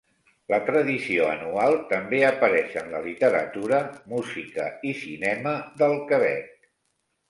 La tradició anual també apareix en la literatura, música i cinema del Quebec.